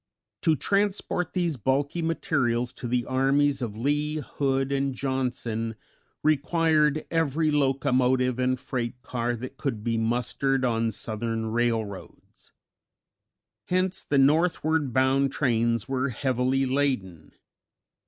To transport these bulky materials to the armies of Lee, Hood and Johnson required every locomotive and freight car that could be mustered on Southern railroads. Hence the northward bound trains were heavily laden.